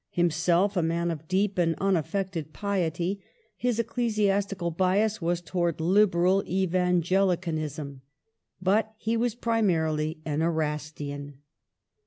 Himself a man of deep and unaffected '^^^! piety, his ecclesiastical bias was towards Liberal Evangelicanism. But he was primarily an Erastian.